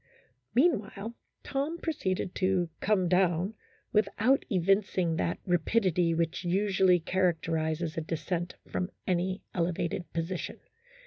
Meanwhile, Tom proceeded to "come down " without evincing that rapidity which usually characterizes a descent from any elevated position.